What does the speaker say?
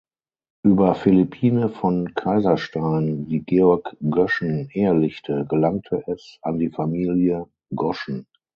Über Philippine von Kaiserstein, die Georg Göschen ehelichte, gelangte es an die Familie Goschen.